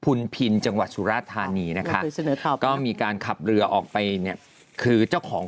พุนธินทร์จังหวัดสุรถานีนะคะมีการขับเรือออกไปจ้ะคือชนะ